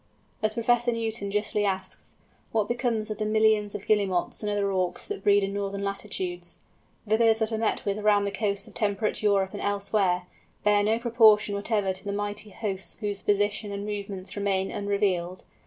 As Professor Newton justly asks, What becomes of the millions of Guillemots and other Auks that breed in northern latitudes? The birds that are met with round the coasts of temperate Europe, and elsewhere, bear no proportion whatever to the mighty hosts whose position and movements remain unrevealed.